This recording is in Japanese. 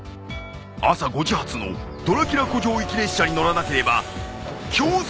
［朝５時発のドラキュラ古城行き列車に乗らなければ強制退場］